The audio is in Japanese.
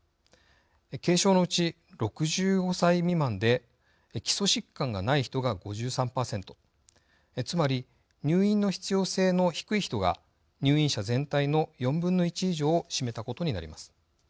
軽症のうち６５歳未満で基礎疾患がない人が５３％つまり入院の必要性の低い人が入院者全体の４分の１以上を占めたことになります。